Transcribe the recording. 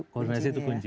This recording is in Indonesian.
koordinasi itu kunci